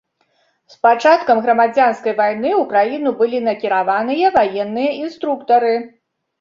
З пачаткам грамадзянскай вайны ў краіну былі накіраваныя ваенныя інструктары.